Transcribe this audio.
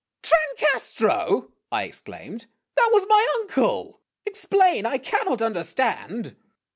" Trancastro ?" I exclaimed "that was my uncle! Explain. I cannot understand